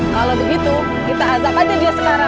kalau begitu kita ajak aja dia sekarang